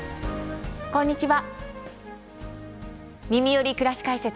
こんにちは。